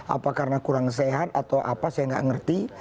apa karena kurang sehat atau apa saya tidak mengerti